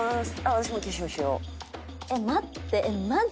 私も化粧しよう。